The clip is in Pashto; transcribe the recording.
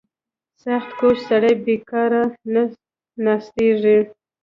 • سختکوش سړی بېکاره نه ناستېږي.